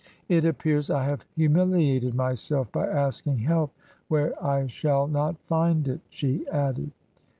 " It appears I have humiliated myself by asking help where I shall not find it," she added.